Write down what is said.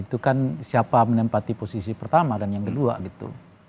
itu kan siapa menempati posisi pertama dan yang kedua gitu